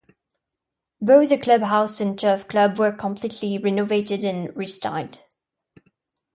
Both the Clubhouse and Turf Club were completely renovated and re-styled.